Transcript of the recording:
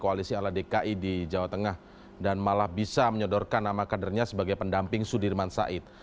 koalisi ala dki di jawa tengah dan malah bisa menyodorkan nama kadernya sebagai pendamping sudirman said